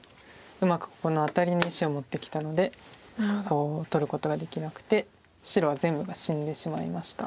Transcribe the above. うまくここのアタリに石を持ってきたのでここを取ることができなくて白は全部が死んでしまいました。